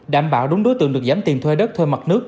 đảm bảo đúng đối tượng được giảm tiền thuê đất thuê mặt nước